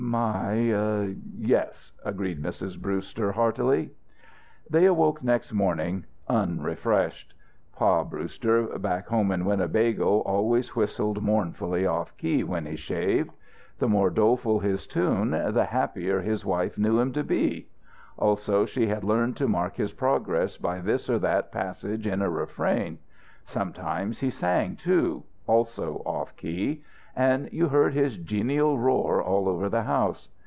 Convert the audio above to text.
"My, yes!" agreed Mrs. Brewster, heartily. They awoke next morning unrefreshed. Pa Brewster, back home in Winnebago, always whistled mournfully off key, when he shaved. The more doleful his tune the happier his wife knew him to be. Also, she had learned to mark his progress by this or that passage in a refrain. Sometimes he sang, too (also off key), and you heard his genial roar all over the house.